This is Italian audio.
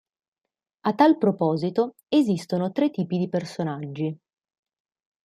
A tal proposito, esistono tre tipi di personaggi.